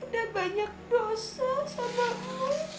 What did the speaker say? udah banyak dosa sama aku